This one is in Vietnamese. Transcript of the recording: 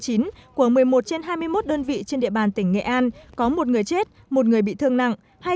của một mươi một trên hai mươi một đơn vị trên địa bàn tỉnh nghệ an có một người chết một người bị thương nặng